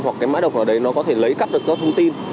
hoặc cái mã độc nào đấy nó có thể lấy cắp được các thông tin